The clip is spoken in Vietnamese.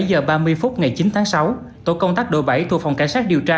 một mươi bảy giờ ba mươi phút ngày chín tháng sáu tổ công tác đội bảy thuộc phòng cảnh sát điều tra